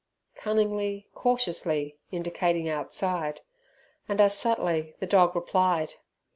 cunningly, cautiously, indicating outside, and as subtly the dog replied.